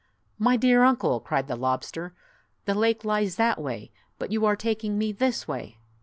" My dear uncle!" cried the lobster, "the lake lies that way, but you are taking me this way."